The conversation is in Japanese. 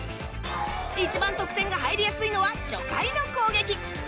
一番得点が入りやすいのは初回の攻撃。